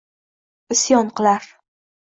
Isyon qilar